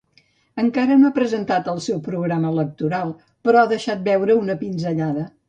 Encara no ha presentat el seu programa electoral, però ha deixat veure una pinzellada.